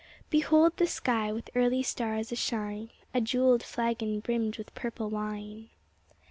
Behold the sky with early stars ashine, A jewelled flagon brimmed with purple wine.